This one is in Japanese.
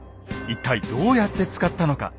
一体どうやって使ったのか。